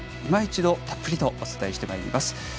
今一度たっぷりとお伝えしてまいります。